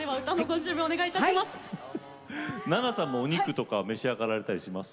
ＮＡＮＡさんもお肉とか召し上がられたりします？